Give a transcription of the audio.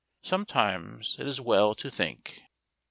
Sometimes it is well to think.